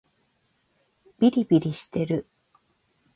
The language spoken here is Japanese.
びりびりしてる